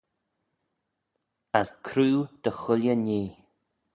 As croo dy chooilley nhee.